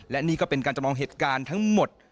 และนี่ก็เป็นการจำลองเหตุการณ์ทั้งหมด